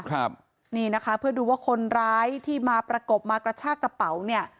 ครับนี่นะคะเพื่อดูว่าคนร้ายที่มาประกบมากระชากระเป๋าเนี่ย